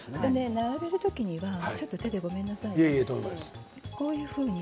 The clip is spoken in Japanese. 並べる時にはちょっと手でごめんなさいね。